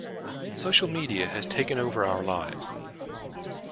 Social media has taken over our lives.